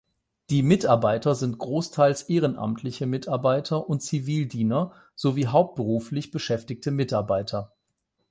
Die Mitarbeiter sind großteils ehrenamtliche Mitarbeiter und Zivildiener, so wie hauptberuflich beschäftigte Mitarbeiter.